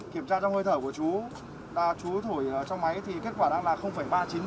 kiểm tra trong hơi thở của chú chú thổi trong máy thì kết quả đang là ba trăm chín mươi mg trên một lít khí thở